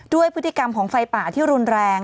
ด้วยพฤติกรรมของไฟป่าที่รุนแรง